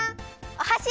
おはし！